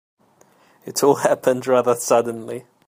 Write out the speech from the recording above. It all happened rather suddenly.